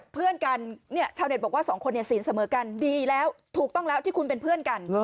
เพื่อนกันเนี่ยชาวเน็ตบอกว่าสองคนเนี่ยศีลเสมอกันดีแล้วถูกต้องแล้วที่คุณเป็นเพื่อนกัน